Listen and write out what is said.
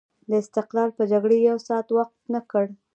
د استقلال په جګړې یو ساعت وقف نه کړ.